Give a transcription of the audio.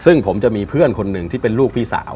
ซึ่งผมจะมีเพื่อนคนหนึ่งที่เป็นลูกพี่สาว